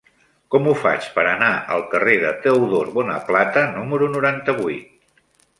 Com ho faig per anar al carrer de Teodor Bonaplata número noranta-vuit?